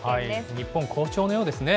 日本、好調のようですね。